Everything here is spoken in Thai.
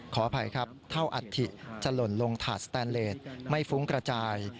ขออภัยครับเท่าอัฐิจะหล่นลงถาดสแตนเลสไม่ฟุ้งกระจาย